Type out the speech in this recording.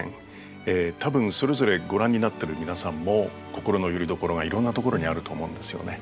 多分それぞれご覧になってる皆さんも心のよりどころがいろんなところにあると思うんですよね。